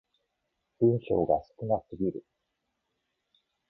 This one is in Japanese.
文章が少なすぎる